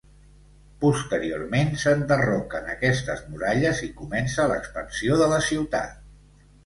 Posteriorment s'enderroquen aquestes muralles i comença l'expansió de la ciutat.